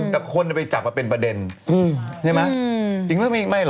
แต่คนไปจับมาเป็นประเด็นใช่ไหมจริงหรือไม่เหรอ